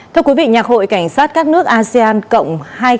thưa quý vị nhạc hội cảnh sát các nước asean cộng hai nghìn hai mươi hai